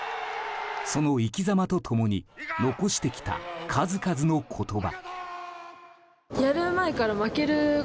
その生きざまと共に残してきた数々の言葉。